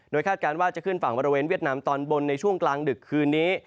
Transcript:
คาดการณ์ว่าจะขึ้นฝั่งบริเวณเวียดนามตอนบนในช่วงกลางดึกคืนนี้